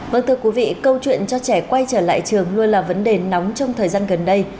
vâng thưa quý vị câu chuyện cho trẻ quay trở lại trường luôn là vấn đề nóng trong thời gian gần đây